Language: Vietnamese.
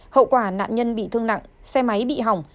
hậu quả nạn nhân bị thương nặng xe máy bị hỏng